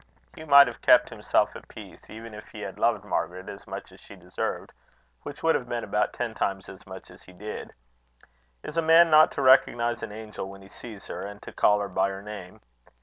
Hugh might have kept himself at peace, even if he had loved Margaret as much as she deserved, which would have been about ten times as much as he did. Is a man not to recognize an angel when he sees her, and to call her by her name?